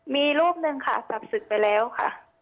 มีรูปหนึ่งค่ะจับศึกไปแล้วค่ะ